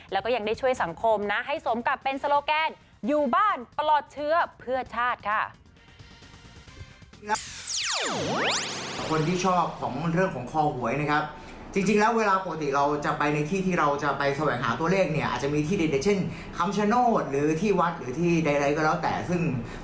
แล้วก็ยังได้ช่วยสังคมให้สมกลับเป็นโสโลแกน